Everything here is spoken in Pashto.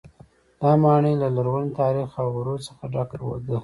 دا ماڼۍ له لرغوني تاریخ او غرور څخه ډکه ده.